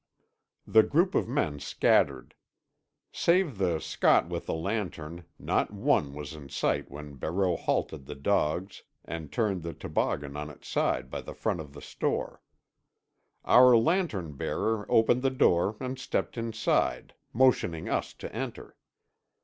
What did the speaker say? The group of men scattered. Save the Scot with the lantern, not one was in sight when Barreau halted the dogs and turned the toboggan on its side by the front of the store. Our lantern bearer opened the door and stepped inside, motioning us to enter.